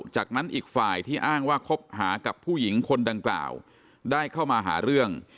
จากนั้นอีกฝ่ายที่อ้างว่าคบหากับผู้หญิงคนดังกล่าวได้เข้ามาหาเรื่อง